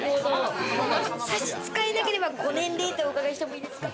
差し支えなければ、ご年齢ってお伺いしてもいいですか？